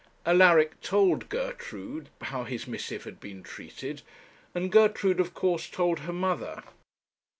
Alaric told Gertrude how his missive had been treated, and Gertrude, of course, told her mother.